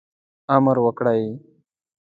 امر وکړي.